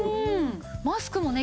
マスクもね